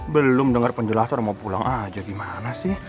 belum dengar penjelasan mau pulang aja gimana sih